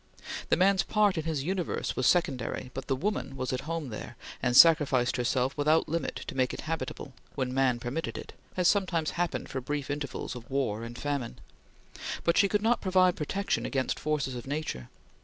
The man's part in his Universe was secondary, but the woman was at home there, and sacrificed herself without limit to make it habitable, when man permitted it, as sometimes happened for brief intervals of war and famine; but she could not provide protection against forces of nature.